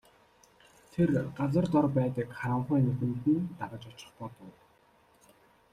Тэр газар дор байдаг харанхуй нүхэнд нь дагаж очих болов.